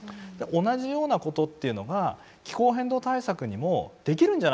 同じようなことっていうのが気候変動対策にもできるんじゃないか。